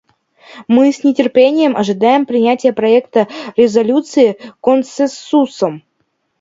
Мы с нетерпением ожидаем принятия проекта резолюции консенсусом.